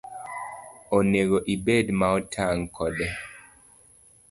Onego ibed ma otang' kode